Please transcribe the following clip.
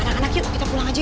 anak anak yuk kita pulang aja